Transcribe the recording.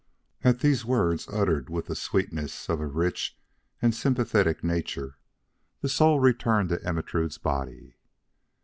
At these words uttered with the sweetness of a rich and sympathetic nature, the soul returned to Ermentrude's body.